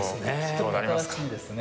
どうなりますか。